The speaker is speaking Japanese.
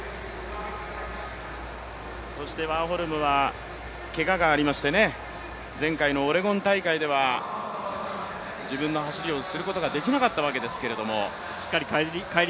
ワーホルムはけががありまして、前回のオレゴン大会では自分の走りをすることができなかったわけですけれども。